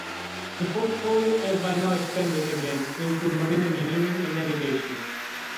The portfolio had by now expanded again to include marine engineering and navigation.